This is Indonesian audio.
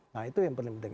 nah itu yang penting